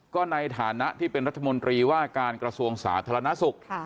ก็ในฐานะที่เป็นรัฐมนตรีว่าการกระทรวงสาธารณสุข